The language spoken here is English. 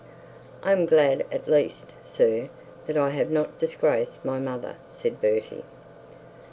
'I am glad at least sir, that I have not disgraced my mother,' said Bertie.